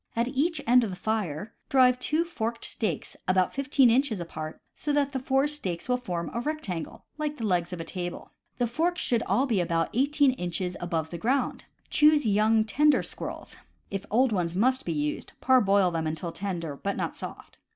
At each end of the fire drive two forked stakes about fifteen inches apart, so that the four stakes will form a rectangle, like the legs of a table. The forks should all be about eighteen inches above the ground. Choose young, tender squirrels (if old ones must be used, parboil them until tender but not soft).